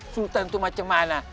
sultan itu macam mana